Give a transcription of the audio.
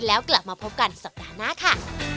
แล้วกลับมาพบกันสัปดาห์หน้าค่ะ